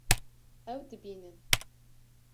Ew dibînin